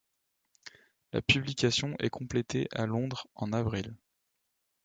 La publication est complétée à Londres en avril.